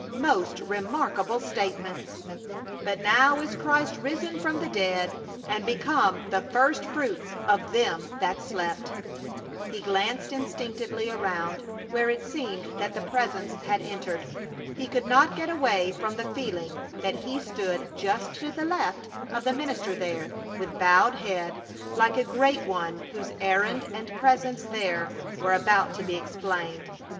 Most remarkable statements! "But now is Christ risen from the dead and become the first fruits of them that slept!" He glanced instinctively around where it seemed that the Presence had entered. He could not get away from the feeling that He stood just to the left of the minister there, with bowed head, like a great one whose errand and presence there were about to be explained.